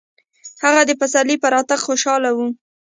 هغه د پسرلي په راتګ خوشحاله و.